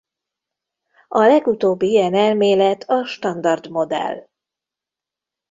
A legutóbbi ilyen elmélet a standard modell.